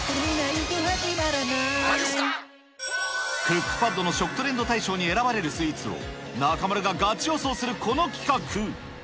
クックパッドの食トレンド大賞に選ばれるスイーツを、中丸がガチ予想するこの企画。